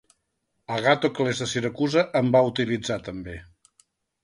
Agàtocles de Siracusa en va utilitzar també.